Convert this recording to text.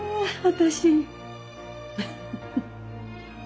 私。